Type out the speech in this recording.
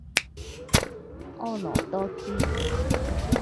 婀娜多姿